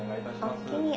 おおきに。